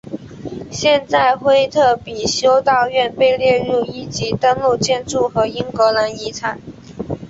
现在惠特比修道院被列入一级登录建筑和英格兰遗产。